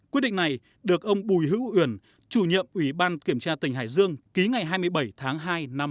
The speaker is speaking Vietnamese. quyết định này được ông bùi hữu uyển chủ nhiệm ủy ban kiểm tra tỉnh hải dương ký ngày hai mươi bảy tháng hai năm hai nghìn hai mươi